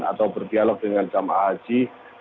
atau berdialog dengan jamaah haji